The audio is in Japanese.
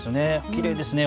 きれいですね。